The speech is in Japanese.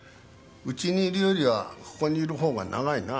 うちにいるよりはここにいる方が長いな？